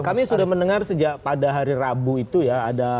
kami sudah mendengar sejak pada hari rabu itu ya